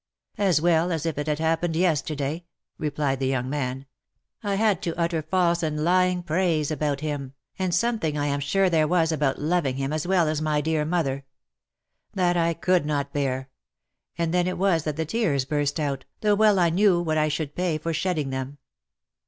" As well as if it had happened yesterday," replied the young man, " I had to utter false and lying praise about him, and something I am sure there was about loving him as well as my dear mother. That I could not bear — and then it was that the tears burst out, though well I knew what I should pay for shedding them."